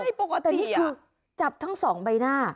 ไม่ปกติอ่ะแต่อันนี้คือจับทั้งสองใบหน้า